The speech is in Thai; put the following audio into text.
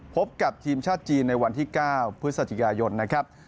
พบกับทีมชาติจีนในวันที่๙พฤศจิกายนนะครับ